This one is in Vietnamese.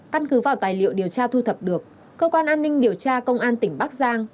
căn cứ vào tài liệu điều tra thu thập được cơ quan an ninh điều tra công an tỉnh bắc giang